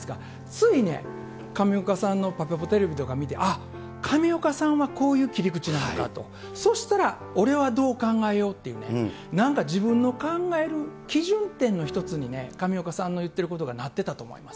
ついね、上岡さんのぱぺぽテレビとか見て見て、あっ、上岡さんはこういう切り口なのかと、そしたら、俺はどう考えようっていうね、なんか自分の考える基準点の１つにね、上岡さんの言ってることがなってたと思います。